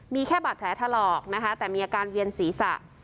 มีแค่บาดแผลถลอกนะคะแต่มีอาการเวียนศีรษะ